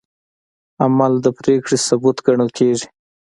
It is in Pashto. عمل د پرېکړې ثبوت ګڼل کېږي.